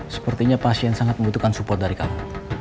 sepertinya pasien sangat membutuhkan support dari kami